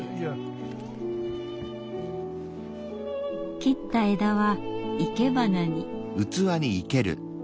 切った枝は生け花に。